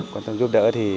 còn trong giúp đỡ thì